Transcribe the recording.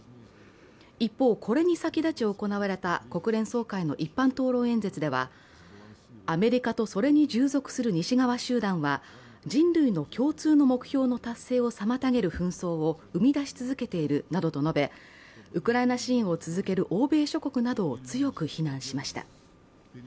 一方、これに先立ち行われた国連総会の一般討論演説では、アメリカとそれに従属する西側集団は人類の共通の目標の達成を妨げる紛争を生み出し続けているなどと述べ、ウクライナ支援を続ける欧米諸国などを強く非難しました。